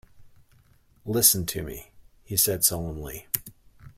"Listen to me," he said solemnly.